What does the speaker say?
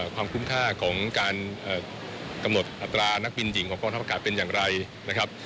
ความคุ้มค่าของการกำหนดอัตรานักบินหญิงของกองทัพอากาศเป็นอย่างไรนะครับ